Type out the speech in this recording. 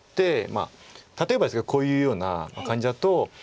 例えばですけどこういうような感じだと。